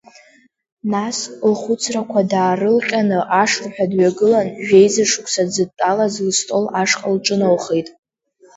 Нас лхәыцрақәа даарылҟьаны ашырҳәа дҩагылан, жәеиза шықәса дзыдтәалаз лыстол ашҟа лҿыналхеит.